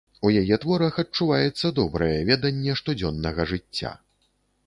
У яе творах адчуваецца добрае веданне штодзённага жыцця.